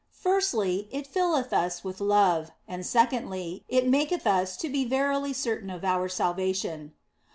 Firstly, it filleth us with love ; and secondly, it maketh us to be verily certain of our salvation.